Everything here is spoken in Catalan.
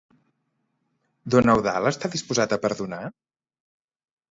Don Eudald està disposat a perdonar?